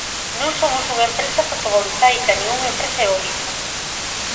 Non somos unha empresa fotovoltaica nin unha empresa eólica.